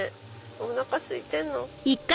おなかすいてるの？